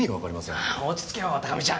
落ち着けよ高見ちゃん。